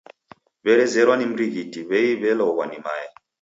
W'erezerwa ni mrighiti w'ei w'elogwa ni mae!